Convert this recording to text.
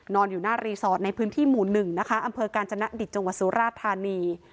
นอนอยู่หน้ารีสอร์ทในพื้นที่หมู่หนึ่งนะคะอำเภอการจนะดิจจงวัดสุราษฎร์ธานี